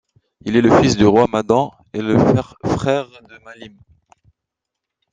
Il est le fils du roi Maddan et le frère de Malim.